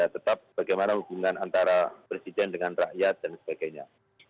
tetap bagaimana hubungan antara presiden dengan rakyat dan sebagainya